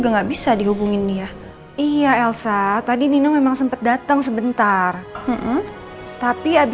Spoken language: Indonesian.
jangan lupa like subscribe dan share ya